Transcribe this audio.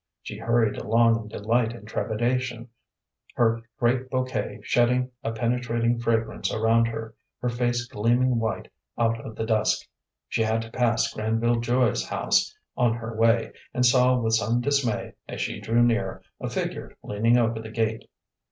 She hurried along in delight and trepidation, her great bouquet shedding a penetrating fragrance around her, her face gleaming white out of the dusk. She had to pass Granville Joy's house on her way, and saw with some dismay, as she drew near, a figure leaning over the gate.